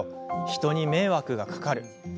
人に迷惑がかかる。